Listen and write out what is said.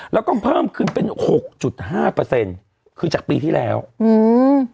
แล้วก็เพิ่มขึ้นเป็นหกจุดห้าเปอร์เซ็นต์คือจากปีที่แล้วอืม